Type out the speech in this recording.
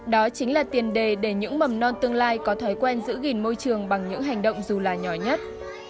đó chính là tiền đề để những mầm non tương lai có thói quen giữ gìn môi trường bằng những hành động dù là nhỏ nhất